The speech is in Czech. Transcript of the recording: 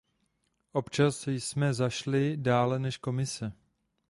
Občas jsme zašli dále než Komise.